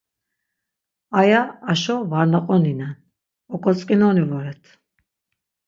Aya aşo var naqoninen, oǩotzǩinoni voret.